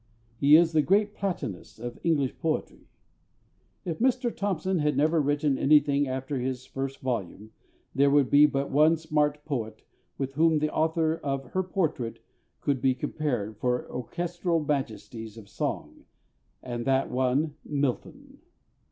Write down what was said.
He is the great Platonist of English poetry. If Mr THOMPSON had never written anything after his first volume, there would be but one Stuart poet with whom the author of Her Portrait could be compared for orchestral majesties of song, and that one MILTON....